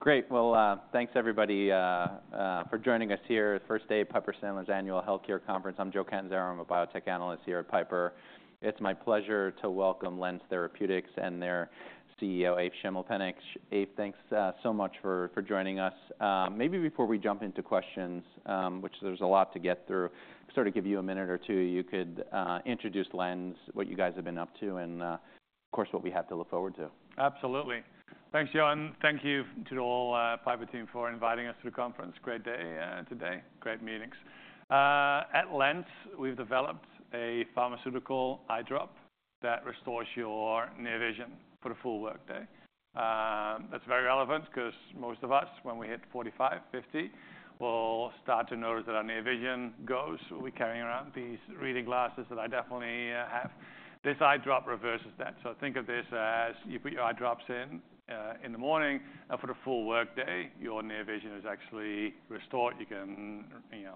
Great. Well, thanks everybody for joining us here at Piper Sandler Annual Healthcare Conference. I'm Joe Catanzaro. I'm a biotech analyst here at Piper. It's my pleasure to welcome LENZ Therapeutics and their CEO, Eef Schimmelpennink. Eef, thanks so much for joining us. Maybe before we jump into questions, which there's a lot to get through, I'd sort of give you a minute or two. You could introduce LENZ, what you guys have been up to, and of course what we have to look forward to. Absolutely. Thanks, Joe. Thank you to all Piper team for inviting us to the conference. Great day today. Great meetings. At LENZ, we've developed a pharmaceutical eye drop that restores your near vision for the full workday. That's very relevant because most of us, when we hit 45, 50, will start to notice that our near vision goes. We're carrying around these reading glasses that I definitely have. This eye drop reverses that. So think of this as you put your eye drops in in the morning, and for the full workday, your near vision is actually restored. You can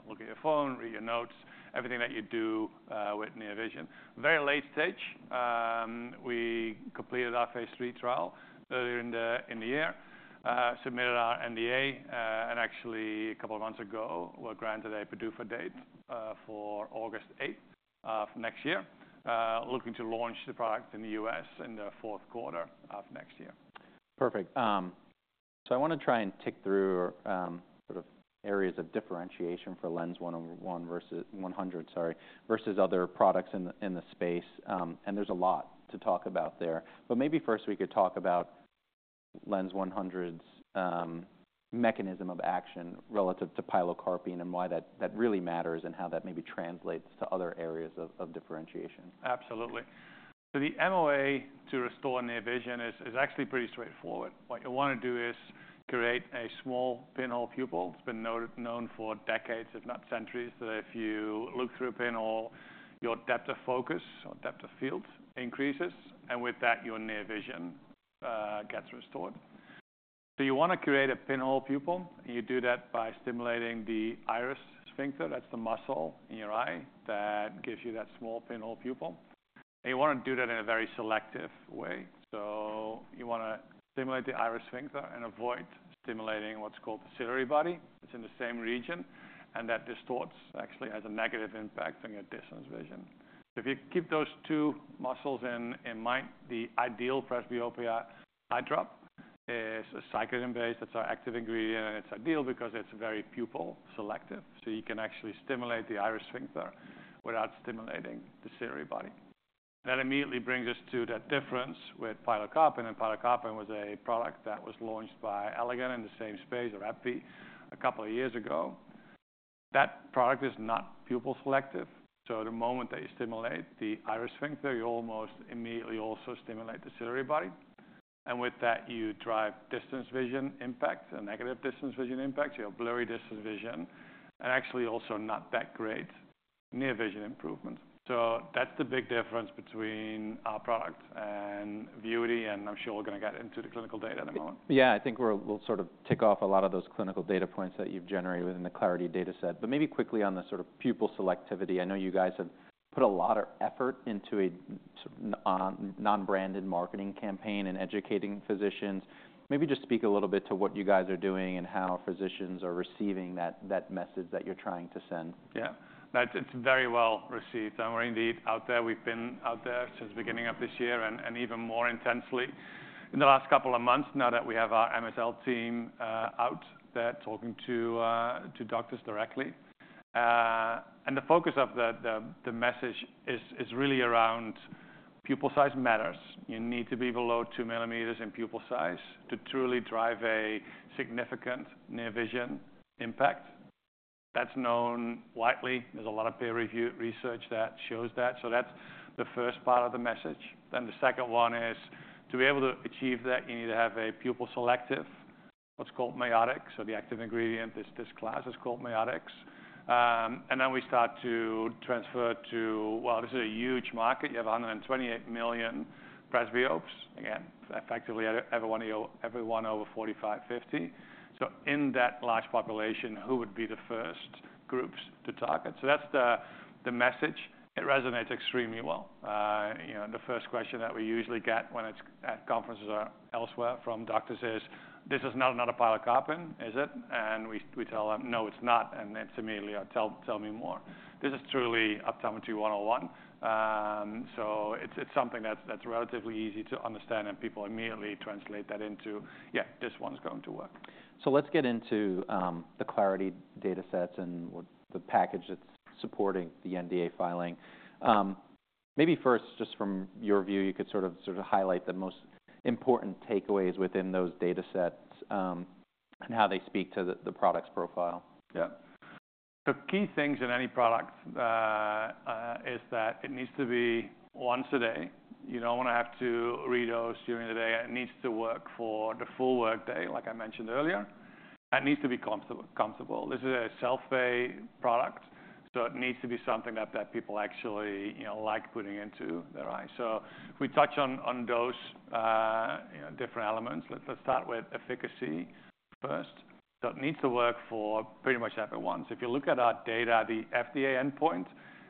look at your phone, read your notes, everything that you do with near vision. Very late stage, we completed our phase III trial earlier in the year, submitted our NDA, and actually a couple of months ago, we were granted a PDUFA date for August 8th of next year, looking to launch the product in the U.S. in the fourth quarter of next year. Perfect. So I want to try and tick through sort of areas of differentiation for LNZ100, sorry, versus other products in the space. And there's a lot to talk about there. But maybe first we could talk about LNZ100's mechanism of action relative to pilocarpine and why that really matters and how that maybe translates to other areas of differentiation. Absolutely. So the MOA to restore near vision is actually pretty straightforward. What you want to do is create a small pinhole pupil. It's been known for decades, if not centuries, that if you look through a pinhole, your depth of focus or depth of field increases, and with that, your near vision gets restored. So you want to create a pinhole pupil. You do that by stimulating the iris sphincter. That's the muscle in your eye that gives you that small pinhole pupil. And you want to do that in a very selective way. So you want to stimulate the iris sphincter and avoid stimulating what's called the ciliary body. It's in the same region, and that distorts actually has a negative impact on your distance vision. So if you keep those two muscles in mind, the ideal presbyopia eye drop is aceclidine. That's our active ingredient, and it's ideal because it's very pupil selective. So you can actually stimulate the iris sphincter without stimulating the ciliary body. That immediately brings us to that difference with pilocarpine. And pilocarpine was a product that was launched by Allergan in the same space, for presbyopia, a couple of years ago. That product is not pupil selective. So the moment that you stimulate the iris sphincter, you almost immediately also stimulate the ciliary body. And with that, you drive distance vision impacts, a negative distance vision impact, so you have blurry distance vision and actually also not that great near vision improvement. So that's the big difference between our product and VUITY, and I'm sure we're going to get into the clinical data in a moment. Yeah, I think we'll sort of tick off a lot of those clinical data points that you've generated within the CLARITY data set. But maybe quickly on the sort of pupil selectivity, I know you guys have put a lot of effort into a non-branded marketing campaign and educating physicians. Maybe just speak a little bit to what you guys are doing and how physicians are receiving that message that you're trying to send. Yeah, it's very well received. And we're indeed out there. We've been out there since the beginning of this year and even more intensely in the last couple of months now that we have our MSL team out there talking to doctors directly. And the focus of the message is really around pupil size matters. You need to be below two millimeters in pupil size to truly drive a significant near vision impact. That's known widely. There's a lot of peer-reviewed research that shows that. So that's the first part of the message. Then the second one is to be able to achieve that, you need to have a pupil selective, what's called miotic. So the active ingredient is this class that's called miotics. And then we start to transfer to, well, this is a huge market. You have 128 million presbyopes. Again, effectively everyone over 45, 50. So in that large population, who would be the first groups to target? So that's the message. It resonates extremely well. The first question that we usually get when it's at conferences or elsewhere from doctors is, this is not another pilocarpine, is it? And we tell them, no, it's not. And then they immediately tell me more. This is truly Optometry 101. So it's something that's relatively easy to understand, and people immediately translate that into, yeah, this one's going to work. Let's get into the CLARITY data sets and the package that's supporting the NDA filing. Maybe first, just from your view, you could sort of highlight the most important takeaways within those data sets and how they speak to the product's profile. Yeah. The key things in any product is that it needs to be once a day. You don't want to have to redose during the day. It needs to work for the full workday, like I mentioned earlier. It needs to be comfortable. This is a self-pay product, so it needs to be something that people actually like putting into their eye. So if we touch on those different elements, let's start with efficacy first. So it needs to work for pretty much everyone. So if you look at our data, the FDA endpoint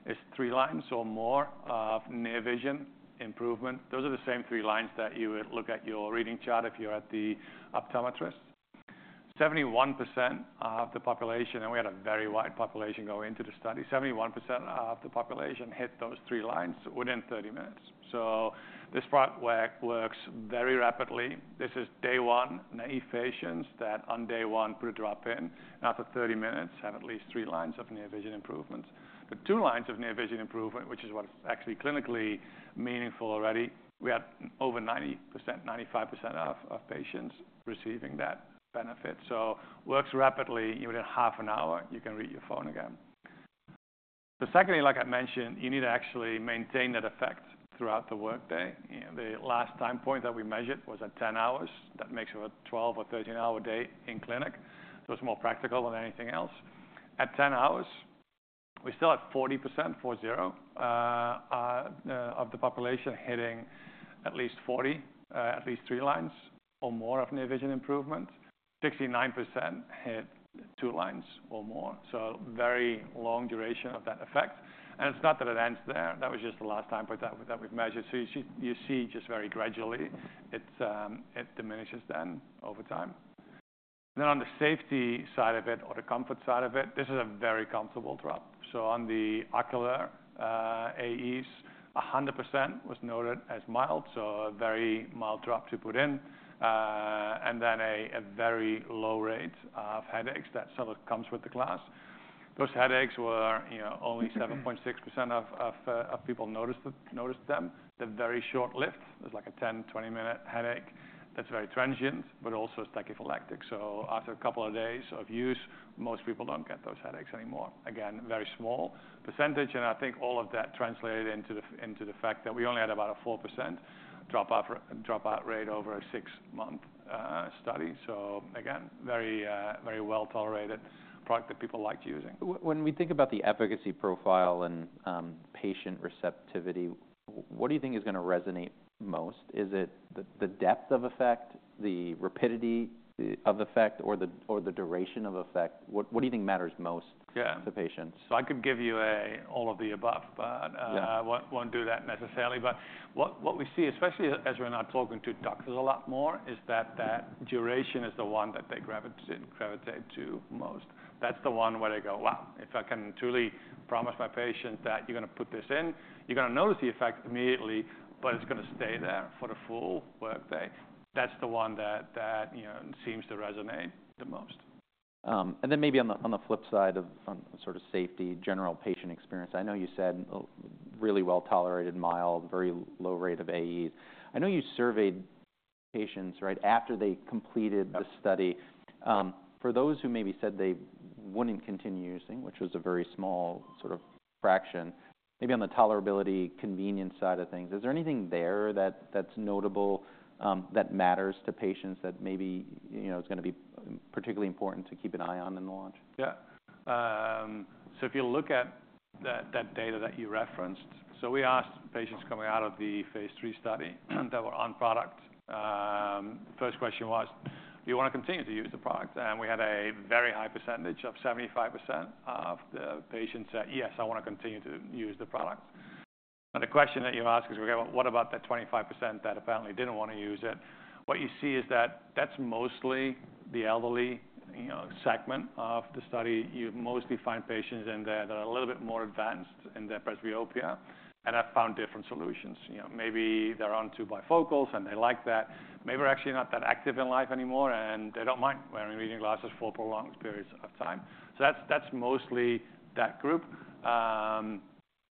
is three lines or more of near vision improvement. Those are the same three lines that you would look at your reading chart if you're at the optometrist. 71% of the population, and we had a very wide population going into the study, 71% of the population hit those three lines within 30 minutes. So this product works very rapidly. This is day one, naive patients that on day one put a drop in, and after 30 minutes, have at least three lines of near vision improvement. The two lines of near vision improvement, which is what's actually clinically meaningful already, we had over 90%, 95% of patients receiving that benefit. So it works rapidly. Within half an hour, you can read your phone again. So secondly, like I mentioned, you need to actually maintain that effect throughout the workday. The last time point that we measured was at 10 hours. That makes over a 12 or 13-hour day in clinic. So it's more practical than anything else. At 10 hours, we still had 40%, four-zero, of the population hitting at least 40, at least three lines or more of near vision improvement. 69% hit two lines or more. So very long duration of that effect. And it's not that it ends there. That was just the last time that we've measured. So you see just very gradually it diminishes then over time. Then on the safety side of it, or the comfort side of it, this is a very comfortable drop. So on the ocular AEs, 100% was noted as mild, so a very mild drop to put in. And then a very low rate of headaches that sort of comes with the class. Those headaches were only 7.6% of people noticed them. They're very short-lived. There's like a 10-20-minute headache. That's very transient, but also it's tachyphylactic. So after a couple of days of use, most people don't get those headaches anymore. Again, very small percentage. And I think all of that translated into the fact that we only had about a 4% dropout rate over a six-month study. So again, very well tolerated product that people liked using. When we think about the efficacy profile and patient receptivity, what do you think is going to resonate most? Is it the depth of effect, the rapidity of effect, or the duration of effect? What do you think matters most to patients? Yeah. So I could give you all of the above, but I won't do that necessarily. But what we see, especially as we're now talking to doctors a lot more, is that that duration is the one that they gravitate to most. That's the one where they go, wow, if I can truly promise my patients that you're going to put this in, you're going to notice the effect immediately, but it's going to stay there for the full workday. That's the one that seems to resonate the most. And then maybe on the flip side of sort of safety, general patient experience. I know you said really well tolerated, mild, very low rate of AEs. I know you surveyed patients, right, after they completed the study. For those who maybe said they wouldn't continue using, which was a very small sort of fraction, maybe on the tolerability, convenience side of things, is there anything there that's notable that matters to patients that maybe is going to be particularly important to keep an eye on in the launch? Yeah. So if you look at that data that you referenced, so we asked patients coming out of the phase III study that were on product. First question was, do you want to continue to use the product? And we had a very high percentage of 75% of the patients said, yes, I want to continue to use the product. Now the question that you ask is, okay, what about that 25% that apparently didn't want to use it? What you see is that that's mostly the elderly segment of the study. You mostly find patients in there that are a little bit more advanced in their presbyopia and have found different solutions. Maybe they're on two bifocals and they like that. Maybe they're actually not that active in life anymore and they don't mind wearing reading glasses for prolonged periods of time. So that's mostly that group.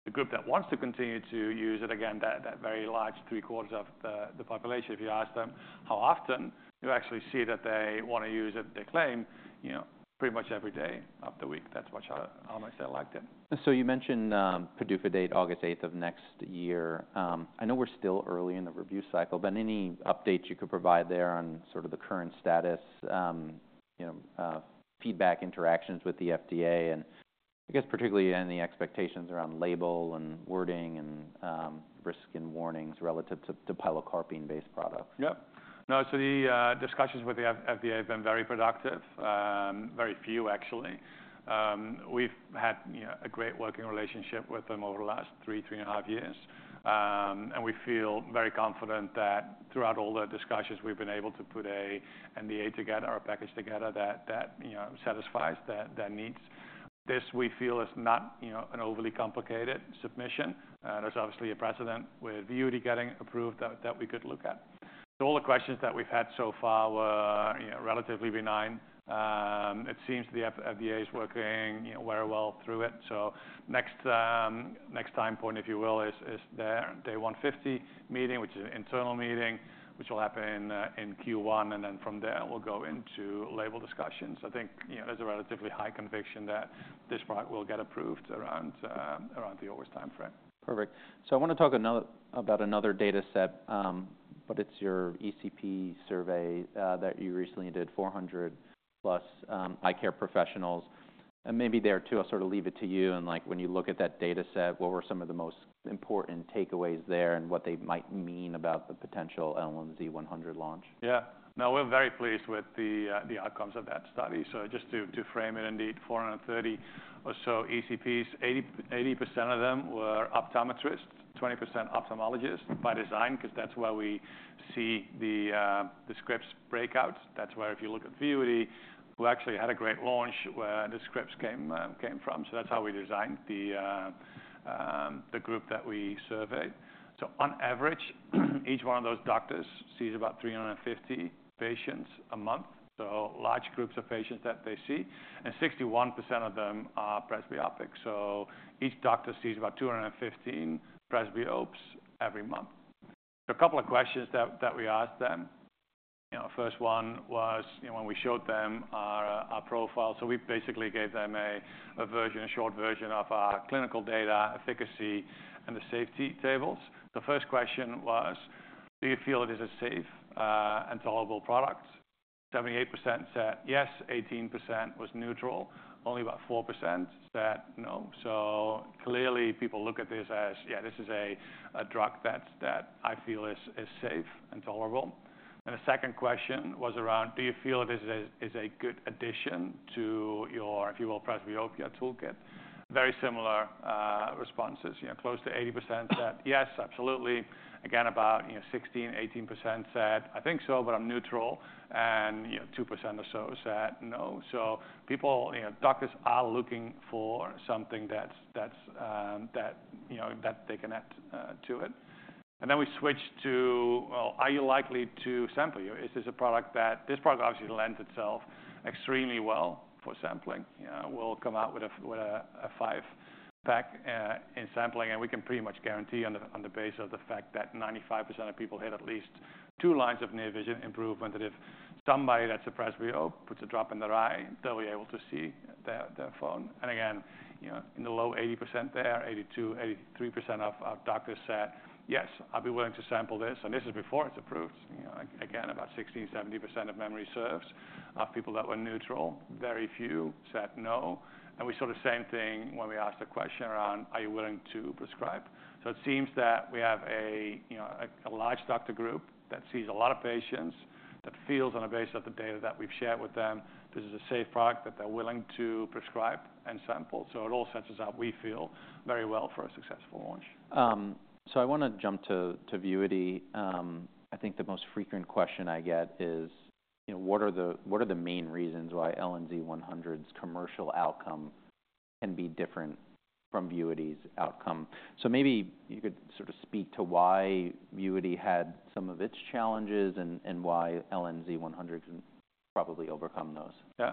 The group that wants to continue to use it, again, that very large three-quarters of the population, if you ask them how often, you actually see that they want to use it, they claim, pretty much every day of the week. That's how much they liked it. So you mentioned PDUFA date August 8th of next year. I know we're still early in the review cycle, but any updates you could provide there on sort of the current status, feedback interactions with the FDA, and I guess particularly any expectations around label and wording and risk and warnings relative to pilocarpine-based products? Yep. No, so the discussions with the FDA have been very productive, very few actually. We've had a great working relationship with them over the last three, three and a half years. We feel very confident that throughout all the discussions, we've been able to put an NDA together, a package together that satisfies their needs. This, we feel, is not an overly complicated submission. There's obviously a precedent with VUITY getting approved that we could look at. So all the questions that we've had so far were relatively benign. It seems the FDA is working very well through it. The next time point, if you will, is their day 150 meeting, which is an internal meeting, which will happen in Q1. From there, we'll go into label discussions. I think there's a relatively high conviction that this product will get approved around the August time frame. Perfect. So I want to talk about another data set, but it's your ECP survey that you recently did, 400+ eye care professionals. And maybe there too, I'll sort of leave it to you. And when you look at that data set, what were some of the most important takeaways there and what they might mean about the potential LNZ100 launch? Yeah. No, we're very pleased with the outcomes of that study. So just to frame it, indeed, 430 or so ECPs, 80% of them were optometrists, 20% ophthalmologists by design, because that's where we see the scripts break out. That's where if you look at VUITY, we actually had a great launch where the scripts came from. So that's how we designed the group that we surveyed. So on average, each one of those doctors sees about 350 patients a month, so large groups of patients that they see. And 61% of them are presbyopic. So each doctor sees about 215 presbyopes every month. There are a couple of questions that we asked them. First one was when we showed them our profile. So we basically gave them a version, a short version of our clinical data, efficacy, and the safety tables. The first question was, do you feel it is a safe and tolerable product? 78% said yes, 18% was neutral, only about 4% said no. So clearly, people look at this as, yeah, this is a drug that I feel is safe and tolerable. And the second question was around, do you feel it is a good addition to your, if you will, presbyopia toolkit? Very similar responses. Close to 80% said yes, absolutely. Again, about 16%, 18% said, I think so, but I'm neutral. And 2% or so said no. So doctors are looking for something that they can add to it. And then we switched to, well, are you likely to sample? Is this a product that obviously lends itself extremely well for sampling? We'll come out with a five-pack in sampling, and we can pretty much guarantee on the basis of the fact that 95% of people hit at least two lines of near vision improvement, and if somebody that's a presbyope puts a drop in their eye, they'll be able to see their phone. And again, in the low 80% there, 82%, 83% of doctors said, yes, I'll be willing to sample this, and this is before it's approved. Again, about 16%, 70% of memory serves of people that were neutral. Very few said no, and we saw the same thing when we asked the question around, are you willing to prescribe? So it seems that we have a large doctor group that sees a lot of patients that feels on the basis of the data that we've shared with them, this is a safe product that they're willing to prescribe and sample. So it all sets us up, we feel, very well for a successful launch. So I want to jump to VUITY. I think the most frequent question I get is, what are the main reasons why LNZ100's commercial outcome can be different from VUITY's outcome? So maybe you could sort of speak to why VUITY had some of its challenges and why LNZ100 couldn't probably overcome those. Yeah.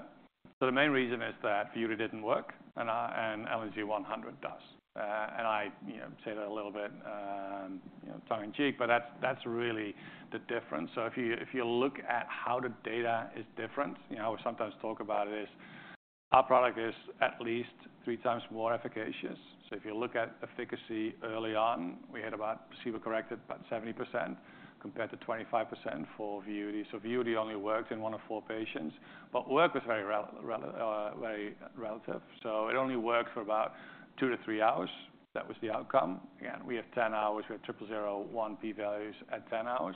So the main reason is that VUITY didn't work and LNZ100 does. And I say that a little bit tongue in cheek, but that's really the difference. So if you look at how the data is different, we sometimes talk about it is our product is at least three times more efficacious. So if you look at efficacy early on, we had about placebo-corrected about 70% compared to 25% for VUITY. So VUITY only worked in one of four patients, but work was very relative. So it only worked for about two to three hours. That was the outcome. Again, we had 10 hours. We had triple zero one p-values at 10 hours.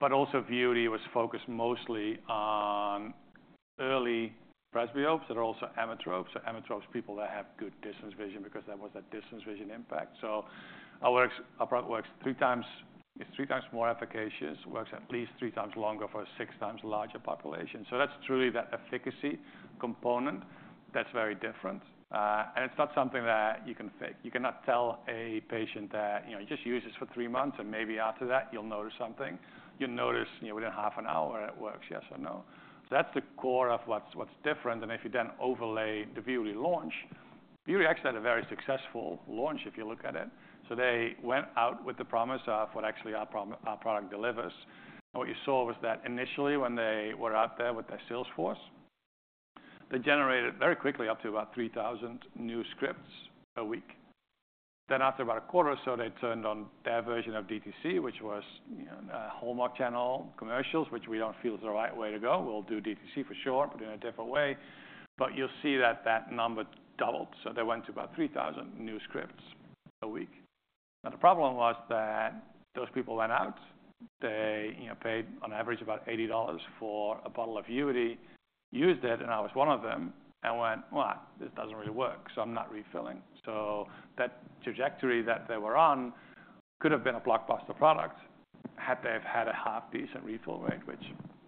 But also VUITY was focused mostly on early presbyopes that are also emmetropes. So emmetropes, people that have good distance vision because there was that distance vision impact. So our product works three times more efficacious, works at least three times longer for a six times larger population. So that's truly that efficacy component that's very different. And it's not something that you can fake. You cannot tell a patient that you just use this for three months, and maybe after that you'll notice something. You'll notice within half an hour it works, yes or no. So that's the core of what's different. And if you then overlay the VUITY launch, VUITY actually had a very successful launch if you look at it. So they went out with the promise of what actually our product delivers. And what you saw was that initially when they were out there with their sales force, they generated very quickly up to about 3,000 new scripts a week. Then after about a quarter or so, they turned on their version of DTC, which was Hallmark Channel commercials, which we don't feel is the right way to go. We'll do DTC for short, but in a different way. But you'll see that that number doubled. So they went to about 3,000 new scripts a week. Now the problem was that those people went out. They paid on average about $80 for a bottle of VUITY, used it, and I was one of them, and went, well, this doesn't really work, so I'm not refilling. So that trajectory that they were on could have been a blockbuster product had they have had a half-decent refill rate, which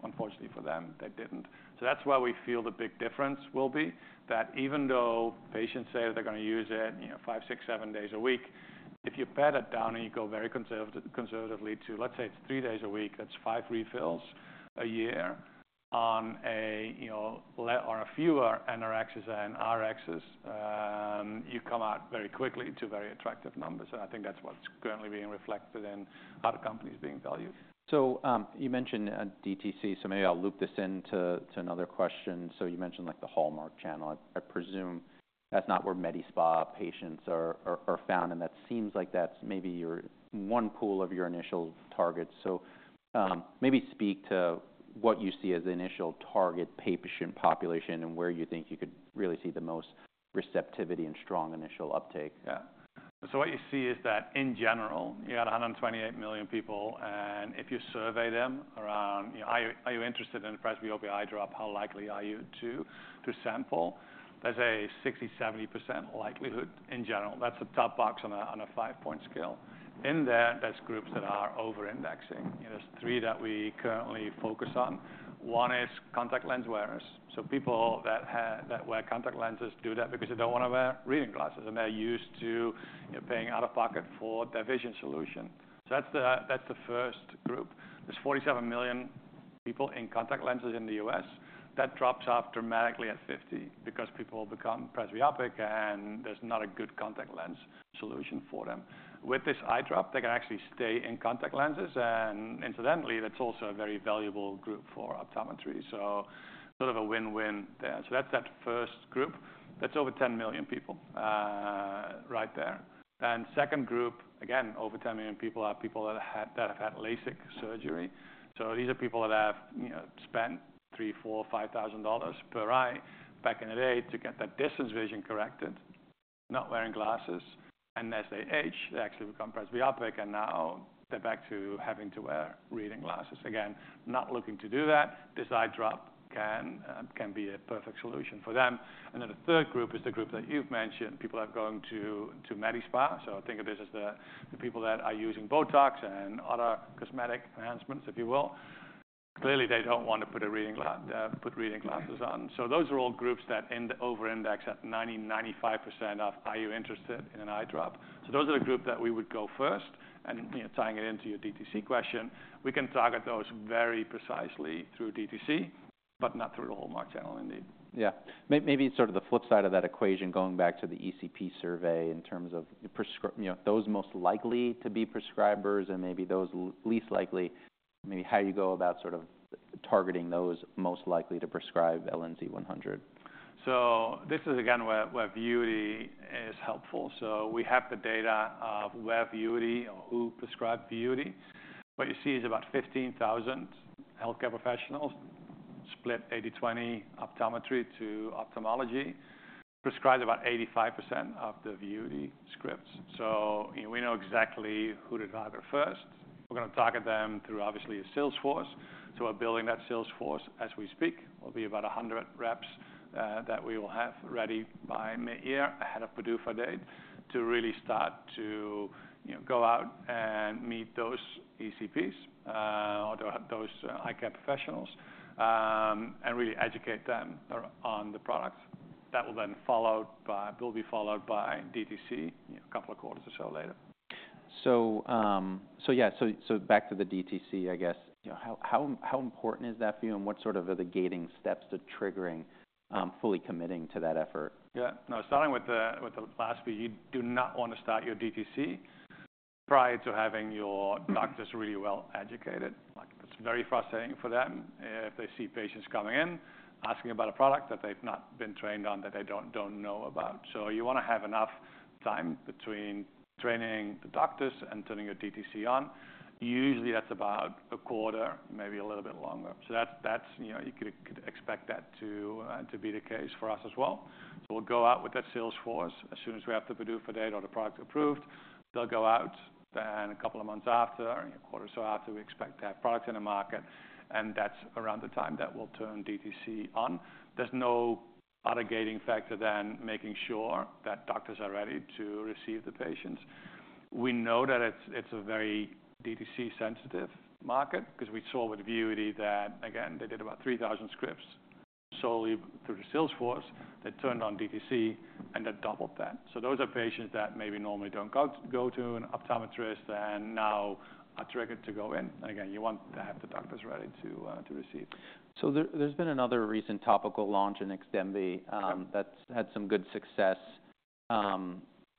unfortunately for them, they didn't. So that's where we feel the big difference will be that even though patients say that they're going to use it five, six, seven days a week, if you pare that down and you go very conservatively to, let's say it's three days a week, that's five refills a year on a fewer NRXs and RXs, you come out very quickly to very attractive numbers. And I think that's what's currently being reflected in other companies being valued. So you mentioned DTC, so maybe I'll loop this into another question. So you mentioned the Hallmark Channel. I presume that's not where med spa patients are found, and that seems like that's maybe one pool of your initial targets. So maybe speak to what you see as the initial target patient population and where you think you could really see the most receptivity and strong initial uptake. Yeah. So what you see is that in general, you got 128 million people, and if you survey them around, are you interested in a presbyopia eye drop? How likely are you to sample? There's a 60%, 70% likelihood in general. That's the top box on a five-point scale. In there, there's groups that are over-indexing. There's three that we currently focus on. One is contact lens wearers. So people that wear contact lenses do that because they don't want to wear reading glasses, and they're used to paying out of pocket for their vision solution. So that's the first group. There's 47 million people in contact lenses in the US. That drops off dramatically at 50 because people become presbyopic and there's not a good contact lens solution for them. With this eye drop, they can actually stay in contact lenses, and incidentally, that's also a very valuable group for optometry. So sort of a win-win there. So that's that first group. That's over 10 million people right there. And second group, again, over 10 million people are people that have had LASIK surgery. So these are people that have spent $3,000-$5,000 per eye back in the day to get that distance vision corrected, not wearing glasses. And as they age, they actually become presbyopic, and now they're back to having to wear reading glasses. Again, not looking to do that, this eye drop can be a perfect solution for them. And then the third group is the group that you've mentioned, people that are going to med spa. So think of this as the people that are using Botox and other cosmetic enhancements, if you will. Clearly, they don't want to put reading glasses on. So those are all groups that over-index at 90%, 95% of, are you interested in an eye drop? So those are the group that we would go first. And tying it into your DTC question, we can target those very precisely through DTC, but not through the Hallmark Channel indeed. Yeah. Maybe sort of the flip side of that equation, going back to the ECP survey in terms of those most likely to be prescribers and maybe those least likely, maybe how you go about sort of targeting those most likely to prescribe LNZ100. So this is again where VUITY is helpful. So we have the data of where VUITY or who prescribed VUITY. What you see is about 15,000 healthcare professionals split 80/20 optometry to ophthalmology prescribe about 85% of the VUITY scripts. So we know exactly who to target first. We're going to target them through obviously a sales force. So we're building that sales force as we speak. There'll be about 100 reps that we will have ready by mid-year ahead of PDUFA date to really start to go out and meet those ECPs or those eye care professionals and really educate them on the product. That will then be followed by DTC a couple of quarters or so later. So yeah, so back to the DTC, I guess. How important is that for you, and what sort of are the gating steps to triggering fully committing to that effort? Yeah. No, starting with the last bit, you do not want to start your DTC prior to having your doctors really well educated. It's very frustrating for them if they see patients coming in asking about a product that they've not been trained on that they don't know about. So you want to have enough time between training the doctors and turning your DTC on. Usually, that's about a quarter, maybe a little bit longer. So you could expect that to be the case for us as well. So we'll go out with that sales force as soon as we have the PDUFA date or the product approved. They'll go out then a couple of months after, a quarter or so after, we expect to have products in the market, and that's around the time that we'll turn DTC on. There's no other gating factor than making sure that doctors are ready to receive the patients. We know that it's a very DTC-sensitive market because we saw with VUITY that, again, they did about 3,000 scripts solely through the sales force. They turned on DTC, and they doubled that. So those are patients that maybe normally don't go to an optometrist and now are triggered to go in. And again, you want to have the doctors ready to receive. So there's been another recent topical launch in XDEMVY that's had some good success.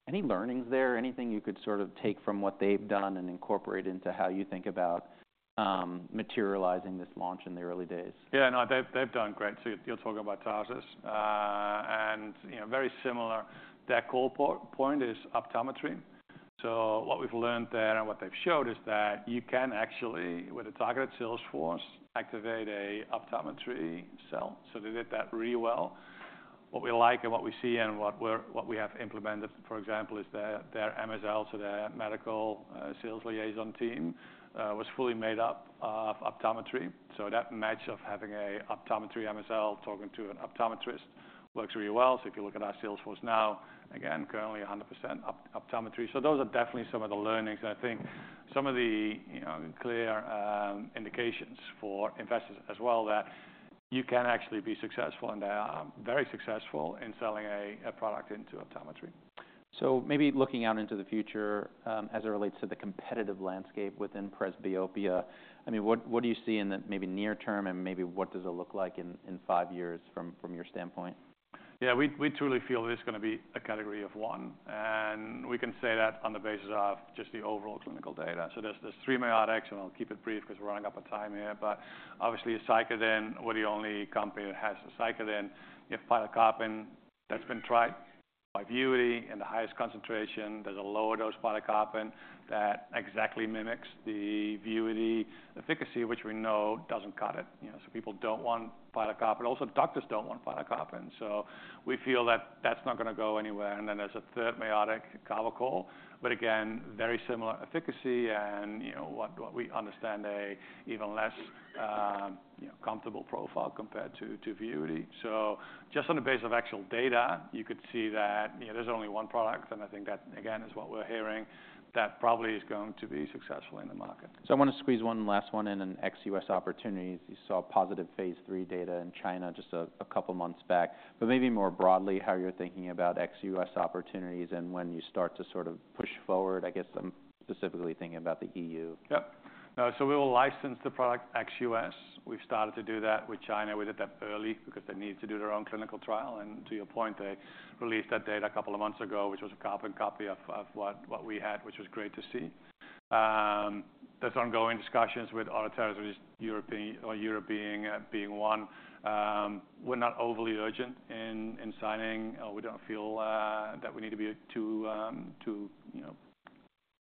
Any learnings there? Anything you could sort of take from what they've done and incorporate into how you think about materializing this launch in the early days? Yeah, no, they've done great. So you're talking about Tarsus. And very similar, their core point is optometry. So what we've learned there and what they've showed is that you can actually, with a targeted sales force, activate an optometry channel. So they did that really well. What we like and what we see and what we have implemented, for example, is their MSL, so their medical science liaison team, was fully made up of optometry. So that match of having an optometry MSL talking to an optometrist works really well. So if you look at our sales force now, again, currently 100% optometry. So those are definitely some of the learnings. And I think some of the clear indications for investors as well that you can actually be successful, and they are very successful in selling a product into optometry. So maybe looking out into the future as it relates to the competitive landscape within presbyopia, I mean, what do you see in the maybe near term and maybe what does it look like in five years from your standpoint? Yeah, we truly feel this is going to be a category of one. And we can say that on the basis of just the overall clinical data. So there's three miotics, and I'll keep it brief because we're running up on time here. But obviously, aceclidine would be the only company that has aceclidine. You have pilocarpine. That's been tried by VUITY in the highest concentration. There's a lower dose pilocarpine that exactly mimics the VUITY efficacy, which we know doesn't cut it. So people don't want pilocarpine. Also, doctors don't want pilocarpine. So we feel that that's not going to go anywhere. And then there's a third miotic, carbachol. But again, very similar efficacy and what we understand an even less comfortable profile compared to VUITY. So just on the basis of actual data, you could see that there's only one product, and I think that, again, is what we're hearing that probably is going to be successful in the market. I want to squeeze one last one in on U.S. opportunities. You saw positive phase III data in China just a couple of months back. Maybe more broadly, how you're thinking about ex-U.S. opportunities and when you start to sort of push forward. I guess I'm specifically thinking about the EU. Yep. So we will license the product ex-U.S. We've started to do that with China. We did that early because they needed to do their own clinical trial. And to your point, they released that data a couple of months ago, which was a carbon copy of what we had, which was great to see. There's ongoing discussions with other territories, European being one. We're not overly urgent in signing. We don't feel that we need to be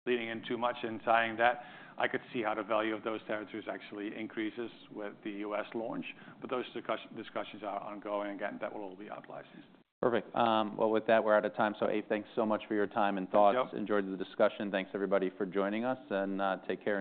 leading in too much in signing that. I could see how the value of those territories actually increases with the U.S. launch. But those discussions are ongoing. Again, that will all be out licensed. Perfect. Well, with that, we're out of time. So Eef, thanks so much for your time and thoughts. You're welcome. Enjoyed the discussion. Thanks, everybody, for joining us. And take care.